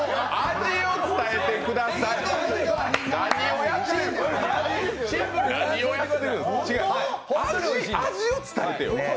味を伝えてよ！